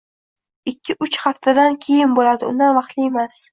Ikki-uch haftadan keyin bo`ladi, undan vaqtli emas